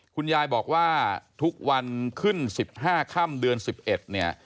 คุณยายบอกว่าทุกวันขึ้น๑๕ค่ำเดือน๑๑เนี่ย